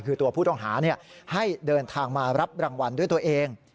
คือตัวผู้ต้องหาให้เดินทางมารับรางวัลด้วยตัวเอง